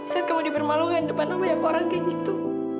saat kamu dipermalukan depan banyak orang kayak gitu